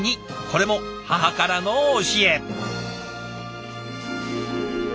これも母からの教え。